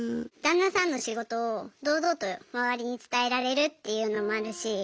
旦那さんの仕事を堂々と周りに伝えられるっていうのもあるし。